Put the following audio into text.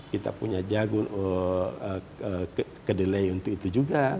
kita punya jagung kedelai untuk itu juga